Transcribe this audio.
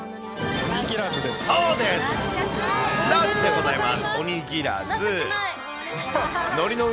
おにぎらずでございます。